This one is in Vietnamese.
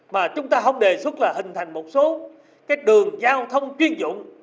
mà chúng ta không đề xuất là hình thành một số cái đường giao thông chuyên dụng